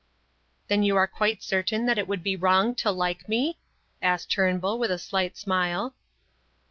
"Then you are quite certain that it would be wrong to like me?" asked Turnbull, with a slight smile.